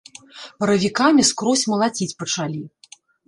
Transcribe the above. Паравікамі скрозь малаціць пачалі.